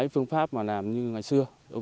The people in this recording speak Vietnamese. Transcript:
phương pháp làm như ngày xưa